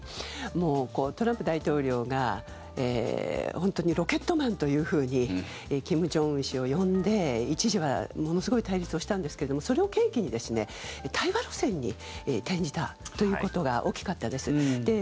トランプ大統領が本当にロケットマンというふうに金正恩氏を呼んで、一時はものすごい対立をしたんですけどそれを契機に対話路線に転じたということが大きかったです。